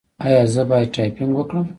ایا زه باید ټایپینګ وکړم؟